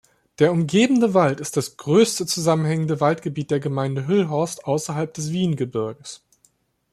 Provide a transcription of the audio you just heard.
Der umgebende Wald ist das größte zusammenhängende Waldgebiet der Gemeinde Hüllhorst außerhalb des Wiehengebirges.